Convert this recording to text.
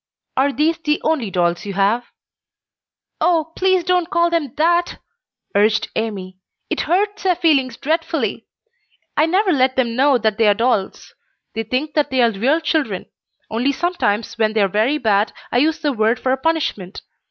"Are these the only dolls you have?" "Oh, please don't call them that!" urged Amy. "It hurts their feelings dreadfully. I never let them know that they are dolls. They think that they are real children, only sometimes when they are very bad I use the word for a punishment.